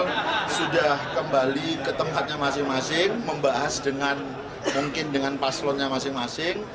beliau sudah kembali ke tempatnya masing masing membahas dengan mungkin dengan paslonnya masing masing